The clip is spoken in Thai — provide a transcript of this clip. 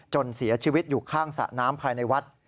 เสียชีวิตอยู่ข้างสระน้ำภายในวัด